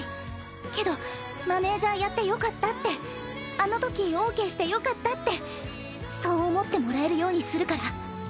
けどマネージャーやってよかったってあのときオーケーしてよかったってそう思ってもらえるようにするから。